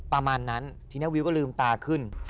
ประมาณนั้นทีนี้วิวก็ลืมตาขึ้น